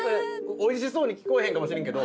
おいしそうに聞こえへんかもしれんけど。